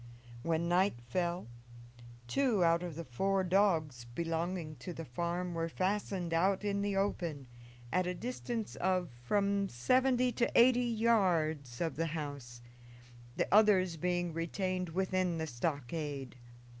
When night fell two out of the four dogs belonging to the farm were fastened out in the open, at a distance of from seventy to eighty yards of the house, the others being retained within the stockade.